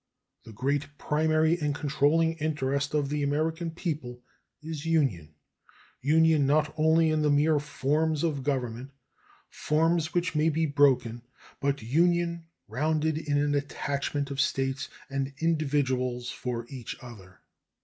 The great primary and controlling interest of the American people is union union not only in the mere forms of government, forms which may be broken, but union rounded in an attachment of States and individuals for each other.